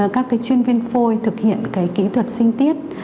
các chuyên viên phôi thực hiện kỹ thuật sinh tiết